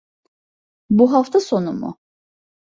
Bu hafta sonu mu?